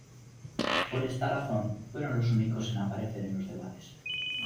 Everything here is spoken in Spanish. Por esta razón, fueron los únicos en aparecer en los debates.